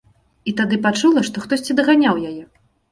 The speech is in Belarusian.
І тады пачула, што хтосьці даганяў яе.